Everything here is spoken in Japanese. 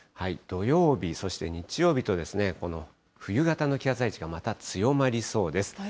土曜日、そして日曜日と、この冬型の気圧配置がまた強まりそうです。